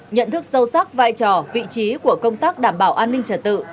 nhận thức sâu sắc vai trò vị trí của công tác đảm bảo an ninh trật tự